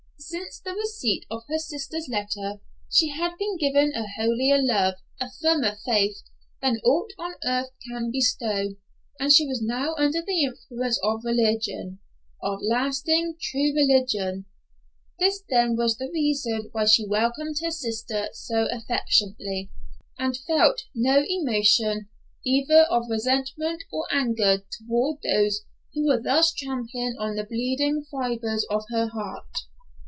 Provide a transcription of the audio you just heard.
Since the receipt of her sister's letter she had been given a holier love, a firmer faith, than aught on earth can bestow, and she was now under the influence of religion; of lasting, true religion. This then was the reason why she welcomed her sister so affectionately, and felt no emotion either of resentment or anger toward those who were thus trampling on the bleeding fibers of her heart.